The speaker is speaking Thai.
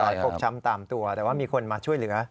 ฟกช้ำตามตัวแต่ว่ามีคนมาช่วยเหลือ